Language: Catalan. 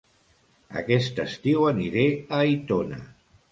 Aquest estiu aniré a Aitona